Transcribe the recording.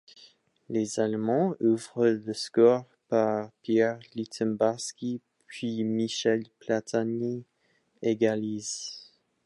Les Allemands ouvrent le score par Pierre Littbarski puis Michel Platini égalise.